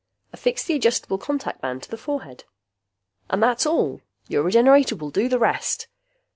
Affix the adjustable contact band to the forehead. And that's all! Your Regenerator will do the rest!